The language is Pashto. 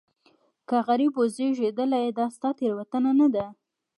که غریب وزېږېدلې دا ستا تېروتنه نه ده.